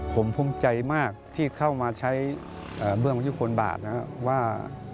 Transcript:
ผมภูมิใจมากที่เข้ามาใช้เบื้องมยุคลบาทนะครับว่า